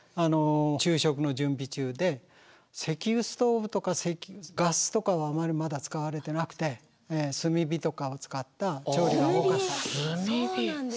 昼食の準備中で石油ストーブとかガスとかはあまりまだ使われてなくて炭火とかを使った調理が多かったと思います。